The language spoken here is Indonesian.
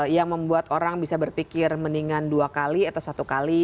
yang membuat orang bisa berpikir mendingan dua kali atau satu kali